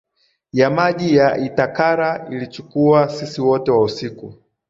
ya maji ya Itacara Ilichukua sisi wote wa siku